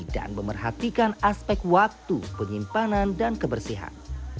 dan memerhatikan aspek waktu penyimpanan dan kebersihan